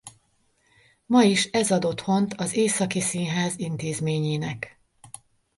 Ma is ez ad otthont az Északi Színház intézményének.